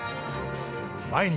毎日